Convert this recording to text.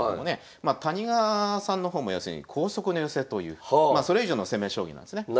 まあ谷川さんの方も要するに光速の寄せというまあそれ以上の攻め将棋なんですね。